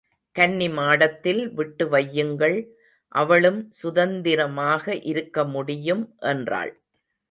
கன்னி மாடத்தில் விட்டு வையுங்கள் அவளும் சுதந்திரமாக இருக்கமுடியும் என்றாள்.